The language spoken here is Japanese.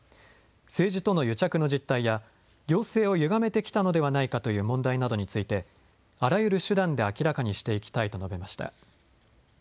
政治との癒着の実態や行政をゆがめてきたのではないかという問題などについてあらゆる手段で明らかにしていきたいと述べました。